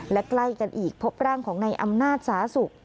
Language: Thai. และใกล้กันอีกพบร่างของในอำนาจสาสุข